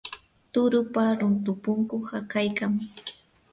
turupa runtu pukun hakaykan.